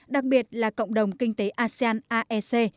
đặc biệt là cộng đồng kinh tế asean aec